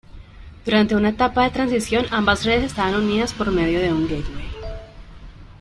Durante una etapa de transición ambas redes estaban unidas por medio de un "Gateway".